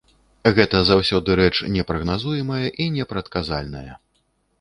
Гэта заўсёды рэч непрагназуемая і непрадказальная.